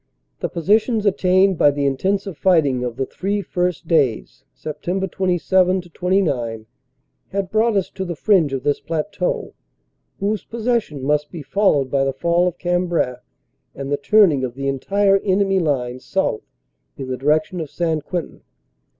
The positions attained by the intensive fighting of the three first days, Sept. 27 29, had brought us to the fringe of this plateau whose possession must be followed by the fall of Cambrai and the turning of the entire enemy line south in the direction of St. Quentin.